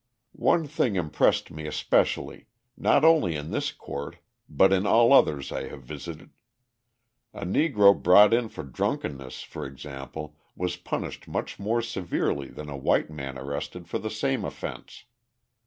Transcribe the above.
One thing impressed me especially, not only in this court but in all others I have visited: a Negro brought in for drunkenness, for example, was punished much more severely than a white man arrested for the same offence.